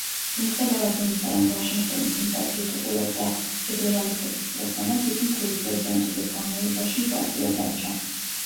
მიუხედავად იმისა, რომ ვაშინგტონი სიმპათიით უყურებდა ფედერალისტების პროგრამას, იგი მთელი პრეზიდენტობის განმავლობაში უპარტიო დარჩა.